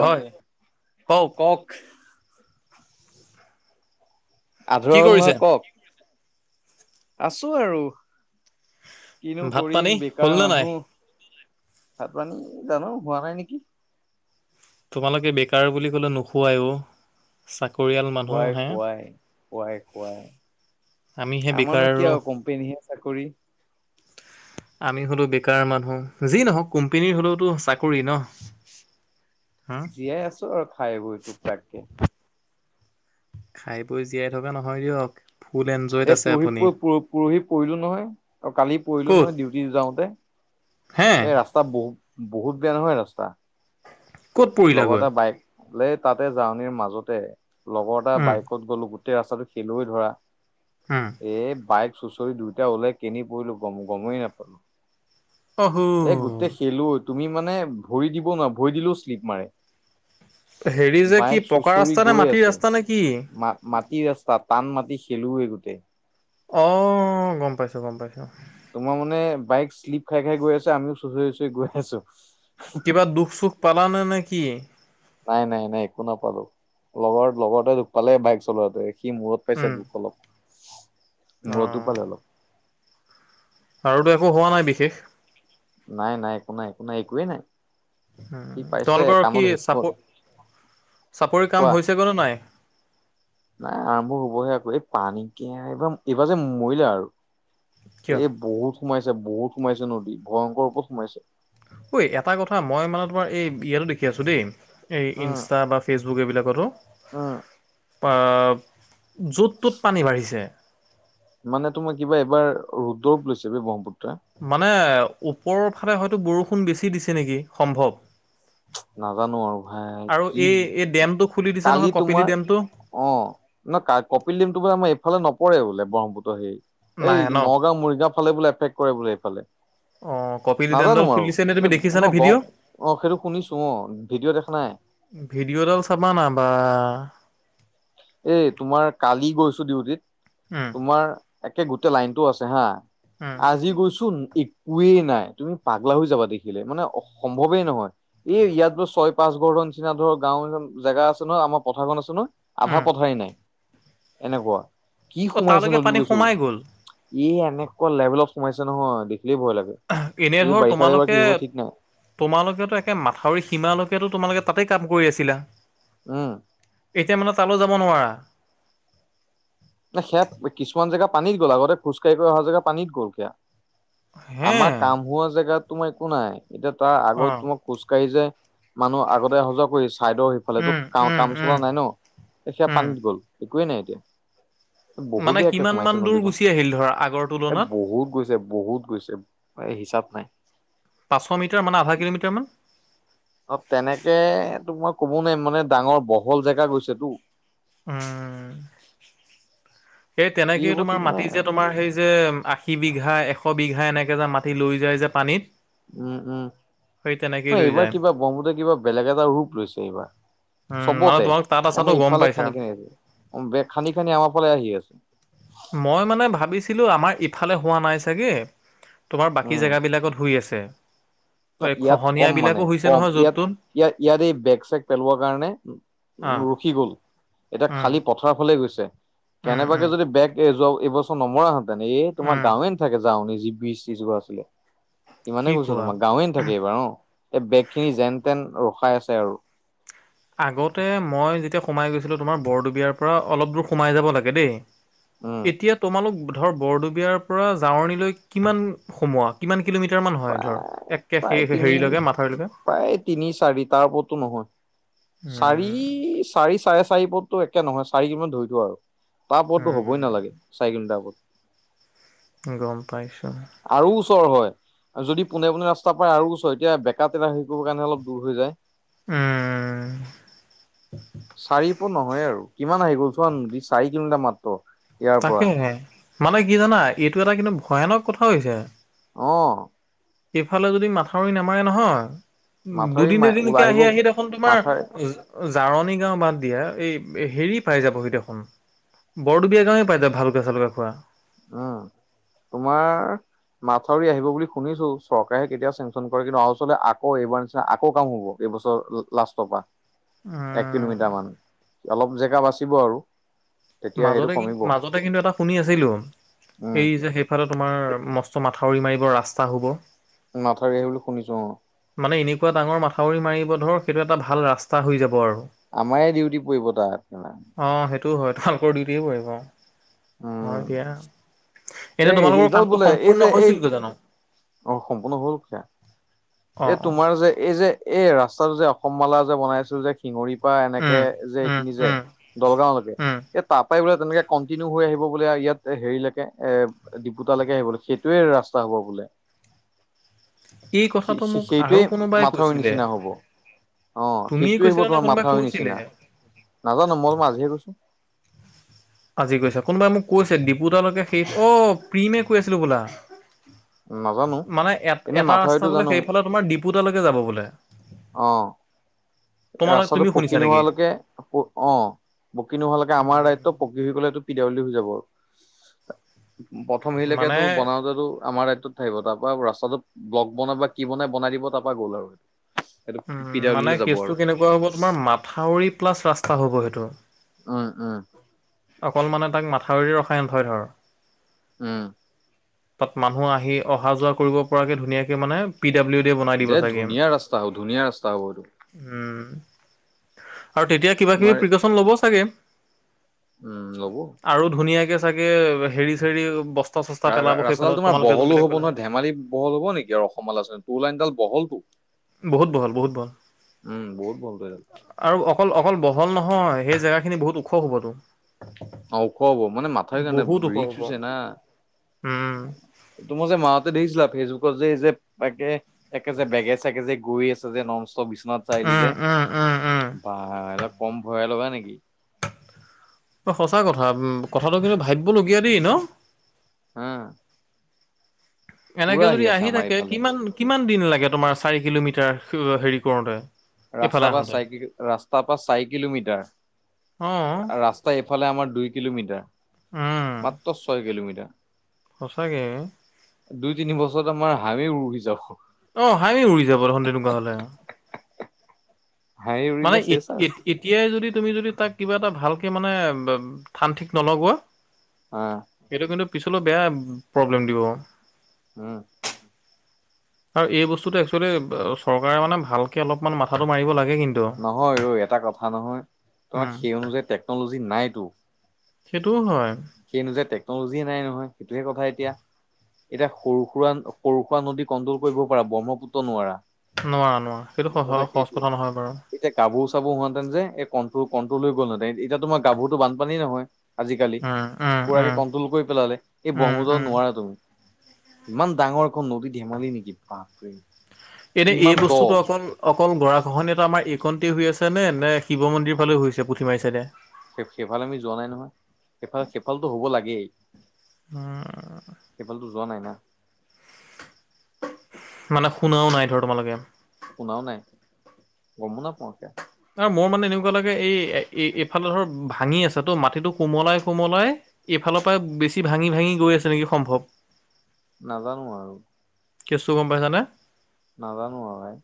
হয় কওক। কি আধৰুৱা হ'ল নহয় কৰিছে কওক। আছো আৰু। কিনো ভাত পানী কৰিম বেকাৰ হ'লনে নাই মানুহ, ভাত পানী জানো হোৱা নাই নেকি। তোমালোকে বেকাৰ বুলি ক'লে নোহোৱাই অ চা হোৱাই হোৱাই, হোৱাই হোৱাই আমিহে বেকাৰ আমাৰনো কিয় আৰু কোম্পানীহে চাকৰি। আমি হ'লো বেকাৰ মানুহ, যি নহওক কোম্পানীৰ হ'লেওতো চাকৰি ন। হা জীয়াই আছো আৰু খাই বৈ তোক তাককে। খাই বৈ জীয়াই থকা নহয় দিয়ক। ফুল এনজয়ত এই আছে পৰহি আপুনি পৰহি পৰিলো নহয় আৰু কালি পৰিলো ক'ত নহয় ডিউটি যাওঁতে। হে এই ৰাস্তা বহুত বহুত বেয়া নহয় ৰাস্তা। ক'ত লগৰ পৰিলাগৈ এটাৰ বাইক লে তাতে জাৱনীৰ মাজতে লগৰ এটা উম বাইকত গ'লো গো সেই ই ৰাস্তাটো [unintelligible] ধৰা উম এই বাইক চুঁচৰি দুইটা ওলাই কিনি পৰিলো গম গমেই নাপালো। অ' এ উম। গোটেই খেলো তুমি মানে ভৰি দিব নোৱাৰা ভৰি দিলেও স্লিপ মাৰে। হেৰি যে কি বাইক পকা চুচৰি ৰাস্তা নে গৈ মাটিৰ আছে, ৰাস্তা নে কি ম মাটি ৰাস্তা টান মাটি খেলোৱে গোটেই। অ' গম পাইছো, গম পাইছো। তোমাৰ মানে বাইক শ্লিপ খাই খাই গৈ আছে, আমিও চুঁচৰি হুঁচৰি গৈ আছো। কিবা দুখ চুখ পালানে নে কি? নাই নাই নাই একো নাপালো, লগৰ লগৰতে পালে বাইক চলোৱাটোৱে সি মূৰত পাইছে উম দুখ অলপ। অ মূৰতো দুখ পালে অলপ। আৰুতো একো হোৱা নাই বিশেষ? নাই নাই, একো নাই, একো নাই, একোৱেই নাই। উ সি পাইছে তোমালোকৰ কাণত কি হেডফোন চাপৰি, চাপৰি কাম কোৱা হৈছে গৈ নে নাই? নাই আৰম্ভ হবহে আকৌ এই পানীক এইবাৰ এইবাৰ যে মৰিলে আৰু। কিয় এ বহুত সোমাইছে। ছে বহুত সোমাইছে, নদী ভয়ংকৰ ওপৰত সোমাইছে। ঐ এটা কথা মই মানে তোমাৰ এই ইয়াতো দেখি আছো দেই। এই উম। ইনষ্টা বা ফেচবুক। বুক এইবিলাকটো। উম, য'ত ত'ত পানী বাঢ়িছে। মানে তোমাৰ কিবা এবাৰ ৰৰুদ্ৰ ৰূপ লৈছে ব ব্ৰহ্মপুত্ৰ। মানে ওপৰৰ ফালে হয়তো বৰষুণ বেছি দিছে নেকি সম্ভৱ। নাজানো আৰু ভাই, আৰু কি এই এই ডেমটো খুলি দিছে নহয় কালি কপিলি তোমাৰ ডেমটো অ', ন কপিল দিম তোমাৰ আমাৰ এইফালে নপ কৰে বোলে ব্ৰহ্মপুত্ৰ সেই। এই নাহে ন নগাঁও মৰিগাঁও ফালে বোলে এফেক্ট কৰে বোলে এইফালে অ কপিলি নাজানো ডেমডাল আৰু খুলি দিছে নে তুমি মই ন দেখিছানে গম অ' সেইটো শুনিছোঁ। ভিডিঅ' ডাল চাবা না বা অ' এই তোমাৰ কালি গৈছোঁ ডিউটিত উম তোমাৰ একে গোটেই লাইনটো আছে হা উম আজি গৈচোন ই একোৱেই নাই তুমি পাগলা হৈ যাবা দেখিলে মানে সম্ভৱেই নহয় এই ইয়াত ধৰ ছয় পাঁচ ঘৰৰ নিচিনা ধৰ গাওঁ এখন জেগা আছে ন' আমাৰ পথাৰখন আছে ন' আধা উম পথাৰেই নাই। এনেকুৱা কি অ সোমাইছে তালৈকে নদীত পানী গৈছোঁ, সোমাই গ'ল এই এনেকুৱা লেভেলত সোমাইছে নহয় দে এনে ধৰ তোমালোকে হ'ব ঠিক নাই তোমালোকেেতো একে মাথাউৰি সীমালৈকেতো তোমালোকে তাতেই কাম কৰি আছিলা। উম এতিয়া মানে তালৈ যাব নোৱাৰা। ন সেয়া কিছুমান জেগা পানীত গ'ল আগতে খোজকাঢ়ি অহা জেগা পানীত গ'ল সেয়া। হে আমাৰ কাম হোৱা জেগাত তোমাৰ একো নাই। এতিয়া তাৰ আগত অ', তোমাক খোজকাঢ়ি যে মানুহ আগতে সজাগ কৰিছে। চাইদৰ সেইফালেতো উম, ক উম, কাম চলা উম, নাই ন সেয়া উম, পানীত গ'ল। একোৱে নাই এতিয়া। মানে বহুবীয়াকে কিমান মান সোমাইছে দূৰ নদীখন, গুচি আহিল ধৰা আগৰ এ তুলনাত? বহুত গৈছে বহুত গৈছে। এই হিচাপ নাই। পাঁচশ মিটাৰ মানে আধা কিলোমিটাৰ মান? অ তেনেকে তো মই ক'ব নাই মানে ডাঙৰ বহল জেগা গৈছেটো। উম। এই কি হ'ব তেনেকেই তোমাৰ ঠিক নাই মাটি আৰু। যে তোমাৰ সেই যে আশী বিঘা এ এশ বিঘা এনেকৈ যে মাটি লৈ যায় যে পানীত। উম উম সেই তেনেকেই ম লৈ এইবাৰ যায়। কিবা ব্ৰহ্মপুত্ৰ কিবা বেলেগ এটা ৰূপ লৈছে এইবাৰ। উম, মানে চবতে তোমালোক তাত আছাতো আমি গম ইফালে পাইছা। খান্দি খান্দি আছো খান্দি খান্দি আমাৰ ফালে আহি আছো। মই মানে ভাবিছিলো আমাৰ ইফালে হোৱা নাই চাগে তোমাৰ বাকী উম জেগাবিলাকত হৈ আছ তে ইয়াত কম মানে কম, য'ত ইয়াত ত'ত ইয়াত ইয়াত এই বেগ চেগ পেলোৱা কাৰণে, আহ উ ৰখি গল এতিয়া উম খালি পথাৰ ফালে গৈছে। উম কেনেবাকে উম যদি বেগ এ যোৱা এইবছৰ নমৰা হ ানে এই তোমাৰ উম গাঁৱে থাকে যাওঁ নিনি বিজ চিজ ৰোৱা আছিলে। ইমানেই কি কৈছো কোৱা তোমাক। গাৱেন থাকে বাৰ অ', এই বেগ খিনি যেন তেন ৰখ পাই আছে আৰু। আগতে মই যেতিয়া সোমাই গৈছিলোঁ, তোমাৰ বৰদবীয়াৰ পৰা অলপ দূৰ সোমাই যাব লাগে দেই। উম এতিয়া তোমালোক ধৰ বৰদবীয়াৰ পৰা জাৱনীলৈ কিমান সোমোৱা? কিমান কিলোমিটাৰ মান হয় ধৰ প্ৰায়, একে সেই প্ৰায় তিনি হেৰিলৈকে মাথাউৰিলৈকে প্ৰায় তিনি চাৰি তাৰ ওপৰতো নহয়। চাৰি, উম চাৰি চাৰে চাৰি পত ট, একে নহয় চাৰি [unintelligible] ধৰি দিওঁ আৰু। তাৰপৰটো হ'বই উম নালাগে, চাৰি কিলোমিটাৰ পৰত। গম পাইছ আৰু ওচৰ হয়। আৰু যদি পোনে পোনে ৰাস্তা পাই আৰু ওচল এতিয়া বেকা টেৰা হেৰিৰ কাৰণে অলপ দূৰ হৈ যায়। উম চাৰি পন' নহয় আৰু কিমান আহি গ'ল চোৱা চাৰি কিলোমিটাৰ মাত্ৰ। ইয়াৰ পৰা তাকেই। মানে কি জানা, এইটো এটা কিন্তু ভয়ানক কথা হৈছে। অহ। সেফালেও যদি মাথাউৰি নামাৰে নহয়। উম, মাথাউৰি দুদিন মাই দুদিনকে ওলাই আহিব আহি আহি দেখোন তোমাৰ মাথাউৰি জাৰনী গাঁও বাদ দিয়া, এই হেৰি পাই যাবহি দেখোন বৰদুবীয়া গাঁৱে পাইদে ভালকে চালকে খোৱা। উম, তোমাৰ মাথাউৰি আহিব বুলি শুনিছোঁ, চৰকাৰে কেতিয়াও চেংচন কৰে কিন্তু আৰুচতে আকৌ এইবাৰ নিচিনা আকৌ কাম হ'ব এইবছৰ লাষ্টৰ পৰা। এক কিলোমিটাৰ উম মান, অলপ জেগা বাচ কিব আৰু তেতিয়া সেইটো মাজতে কিন কমিব মাজতে কিন্তু এটা শুনি আছিল। টো উম, সেই যে তোমাৰ সেইফালে ম। মাথাউৰি মাৰিব ৰাস্তা হ'ব। মথাউৰি আহিব বুলি শুনিছোঁ অ। কোৱা ডাঙৰ মাথাউৰি মাৰিব ধৰ সেইটো এটা ভাল ৰাস্তা হৈ যাব আৰু। আমাৰে ডিউটি পৰিব তাত। টো হয় ভাল। কৰি ডিউটি পৰিব। হয় এ উম। দয়া এতিয়া এই তোমালোকৰ ইডাল কামটো বোলে এই সম্পূৰ্ণ যে এই হৈছিলগৈ জানো। অ সম্পূৰ্ণ হল সেয়া অ এই অ তোমাৰ যে এই যে এই ৰাস্তা যে। সমালা যে বনাইছোঁ যে শিঙৰি। বা এনেকে উম যে উম এইখিনি যে উম দলগাওঁলৈকে উম এই তাৰ পৰাই বোলে। তেনেকে কণ্টিনিউ কৰি আহিব বোলে ইয়াত হেৰিলৈকে এ ডিবুতালৈকে আহিব বোলে সেইটোয়ে ৰাস্তা হ'ব বোলে। এই কথাটো মোক আৰু সেইটোৱেই কোনোবাই মাথাউৰি কৈছিলে নিচিনা হব অ তুমিয়ে সেইটোৱে হ'ব কৈছিলা নে তোমাৰ কোনোবাই মাথাউৰিৰ কৈছিলে? নিচিনা নাজানো মই তো মাজহে কৈছো। আজি কৈছে কোনোবাই মোক কৈছে ডিপুতালৈকে সেই অ প্ৰিমে কৈ আছিলে বোলা। নাজানো মানে এ এনেই এটা মাথাউৰিটো ৰাস্তা বোলে জানো সেইফালে তোমাৰ ডিপুতালৈকে যাব বোলে। অ তোমালোক ৰাস্তাটো তুমি পকী শুনিছা নেকি? নোহালৈকে অ পকী নোহোৱালৈকে আমাৰ উম দায়িত্ব পকী হৈ গ'লে। পিদাব্লউদি হৈ যাব। প্ৰথম মানে হেৰিলৈকে বনাওতেটো আমাৰে। ত থাকিব তাৰ পৰা ৰাস্তাটো ব্লক বনাই বা কি বনাই বনাই দিব তাৰ পৰা গ'ল আৰু। সেইটো উম পিদাব্লউদি মানে লৈ যাব কেচটো আৰু। কেনেকুৱা হ'ব তোমাৰ মাথাউৰি প্লাছ ৰাস্তা হ'ব। ব সেইটো। উম উম। অকলমানে তাক মাথাউৰি ৰসায়ন হয় ধৰ। হুম। তাত মানুহ আহি অহা যোৱা কৰিব পৰাকে ধুনীয়াকে মানে পি। ডাব্লিউ ডি বনাই দিব দে চাগে। ধুনীয়া ৰাস্তা হ'ব ধুনীয়া ৰাস্তা হ'ব এইটো। উম আৰু তেতিয়া কিবা তোমাৰ কিবি প্ৰিকচন ল'ব চাগে উম ল'বো। আৰু ধুনীয়াকে চাগে হেৰি চেৰি বস্তু। ৰাস্তাডাল তোমাৰ বহলো হ'ব নহয় ধেমালি বহল হব নেকি আৰু অসমৰ আলোচনীত লাইনডাল বহল। উ। বহুত বহল বহুত বহল বহুত বহলটো এইডাল আৰু অকল অকল বহল নহয়। হয় সেই জেগাখিনি বহুত ওখ হ'বতো অ ওখ হব মানে মাথাউৰি কাৰণে বহুত ওখ ৰিক্স হ'ব হৈছে না উম তোমাৰ যে মাওতে দেখিছিলা ফেচবুক পজে ই যে থাকে একে যে বেগে চাগে যে গৈ আছে যে নম চ বিশ্বনাথ চাৰিআলি উম যে উম উম উম বা অলপ কম ভয় লগা নিকি সঁচা কথা উ কথাটো কিন্তু ভাবিবলগীয়া দেই ন উম এনেকে যদি আহি থাকে এইফালে কিমান কিমান কিমান দিন লাগে তোমাৰ চাৰি কিলোমিটাৰ অ হেৰি কৰোঁতে ৰাস্তাৰ পা চাইকিলো ৰাস্তা পা চাৰি অ কিলোমিটাৰ ৰাস্তা ফালে আমাৰ দুই কিলোমিটাৰ উম মাত্ৰ ছয় কিলোমিটাৰ সঁচাকে অ যত আমাৰ হামি উমি যক অ হামি উৰি যাব দেখোন তেনুকা হলে হাঁহি মানে উৰিলে এত চেচ আৰু এত এতিয়াই যদি তুমি যদি তাক কিবা এটা ভাল ভালকেমানে থান ঠিক নলগোৱা হা এইটো কিন্তু পিছলৈ বেয়া প্ৰব্লেম দিব উম আৰু এই বস্তুটো একচুৱেলি চৰকাৰে মানে ভালকে অলপমান মাথাটো মাৰিব লাগে কিন্তু নহয় ঐ এটা কথা নহয় তোমাৰ উম সেই অনুযায়ী টেকনলজি নাইতো সেইটোও হয় সেই অনুযায়ী টেকনলজিয়ে নাই নহয় সেইটোহে কথা এতিয়া এতিয়া সৰু সুৰা সৰু সুৰা নদী কণ্ট্ৰল কৰিব পাৰা ব্ৰহ্মপুত্ৰ নোৱাৰা নোৱাৰা নোৱাৰা সেইটো সহ বিপদা সহজ সেইটোয়ে কথা নহয় বাৰু এতিয়া গাভৰো চাভৰো হওতে যে এই কন তৌ কন্ট্ৰল হৈ গ'ল ন এতিয়া তোমাৰ গাভৰুটো বানপানী নহয় আজি উম উম কুৰাকে উম কণ্ট্ৰল কৰি পেলালে এই উম ব্ৰহ্মপুত্ৰক উম নোৱাৰা তুমি ইমান ডাঙৰ এখন নদী ধেমালি নেকি বাপৰে এনে এই কিমান দ বস্তুটো অকল অ অকল গৰা ঘহনীয়াতো আমাৰ এইকণতেই হৈ আছেনে নে শিৱ মন্দিৰ ফালেও হৈছে পুথিমাৰি চাইডে সেফাল সেফালটো হ'ব লাগেই সেফালতো যোৱা নাই না মানে শুনাও নাই ধৰা তোমালোকে শুনাও নাই গমো নাপাওঁ এতিয়া আৰু মোৰ মানে এনেকুৱা লাগে এই এ এইফালে ধৰ ভাঙি আছে ত মাটিতটো কোমলাই কোমলাই এইফালৰ পৰা বেছি ভাঙি ভাঙি গৈ আছে নেকি সম্ভৱ নাজানো আৰু কেচু গম পাইছানে নাজানো আ ভাই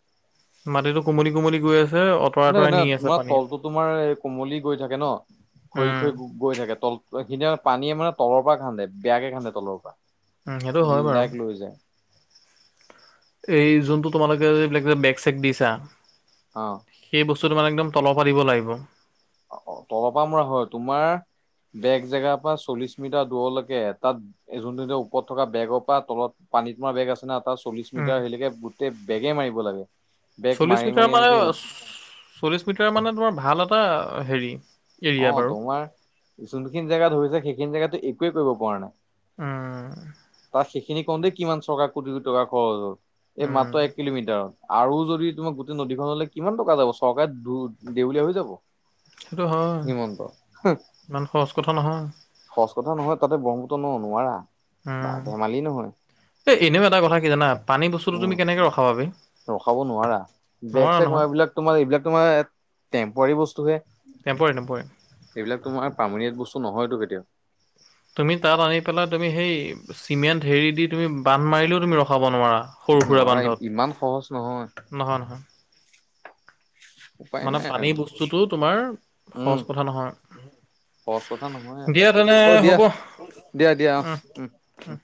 মাটিতো কমল কমল গৈ আছে অঁতৰাই নাই অঁতৰাই নহ নি আছে তোমাৰ পানীয়ে তলটোো তোমাৰ এই কোমলি গৈ থাকে ন খৰি উম খৰি গৈ থাকে তল সদিনা পানীয়ে মানে তলৰ পৰা খান্োকোন্ে তলৰ পৰা উ সেইটো হয় বাৰু লাইক লৈ যায় এই য তোমালোকে এইিলাক বেক চেক দিছা অ বস মানে একম তলৰ পা দিব লাগিব অ তলৰ পৰা মৰা হয় তোমাৰ বেগ জেগাৰ পৰা চল্লিশ মিটাৰ দূৰলৈকে তাত যোন ওপৰত থকা বেগৰ পৰা তলত পানী তোমাৰ বেগ আছে না তটা চল্লিশ উম মিটাৰ আহিলেকে গোটেই বেগে মাৰিব লাগে বেগ চল্লিশ মাৰি মিটাৰ মাৰি মানে এনে চল্লিশ মিটাৰ মানে তোমাৰ ভাল এটা হেৰি অ এৰিয়া বাৰু তোমাৰ যোনখিনি জেগা ধৰিছে সেইখিনি জেগাতো কৰিব পৰা নাই উম পাচি খিনি কওঁ দেই কিমান চৰকাৰ কোিোিটকা খৰচ এই উম মাত্ৰ এক কিলোমিটাৰত আৰু যদি তোমাক গোটেই নদীখনলৈ কিমান টকা যাব চৰকাৰে ধ দ বলিয়ীয়া হৈ যাব সেইটো হয় হিমন্ত ইমান সহজ কথা নহয় সচ কথা নহয় তাতে ব্ৰহ্মপুত্ৰ ন নোৱাৰা বা উম ধেমালি নহয় এ এনেও এটা কথা কি জানা পানী বস্তুটো তুমি উম কেনেকে ৰখাব পাবি ৰখাব নোৱাৰা বেগ চেগ মই এইবলাক তোমাৰ এইবিলাক তোমাৰ টে্পৰী বস্তুে নপৰে নপৰে এইবিলাক তোমাৰ পামনীয়াত বস্তু নহয়তো কেতিয়া তুমি তাত আনি পেলাই তুমি সেই চিমেণ্ট হেৰি দি তুমি বান্ধ মাৰিলেও তুমি ৰখাব নোৱাৰা সৰু সুৰা নোৱাৰা ইমান সহজ নহয় বান্ধত নহয় নহয় উপায় মানে নাই পানী আৰু বস্তুটো তোমাৰ উম সহজ কথা নহয় সজ কথা নহয় দিয়া তেনে অ দিয়া হ'ব দিয়া দিয়া অ উম উম